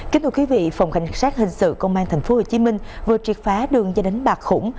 kính thưa quý vị phòng cảnh sát hình sự công an tp hcm vừa triệt phá đường dây đánh bạc khủng